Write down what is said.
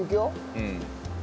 うん。